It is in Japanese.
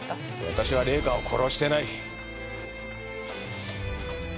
私は礼香を殺してない。